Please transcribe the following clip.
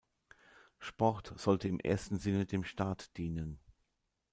Sport sollte im ersten Sinne dem Staat dienen.